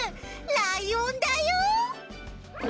ライオンだよ！